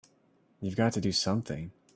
You've got to do something!